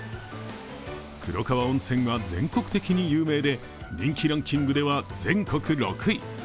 黒川温泉は全国的に有名で、人気ランキングでは全国６位。